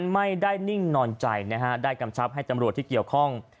นิ่งนอนใจนะฮะได้กำชับให้ตำรวจที่เกี่ยวข้อง